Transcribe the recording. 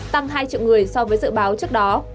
tăng hai triệu người so với dự báo trước đó